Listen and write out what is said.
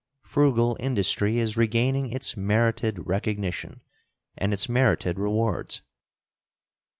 Frugal industry is regaining its merited recognition and its merited rewards.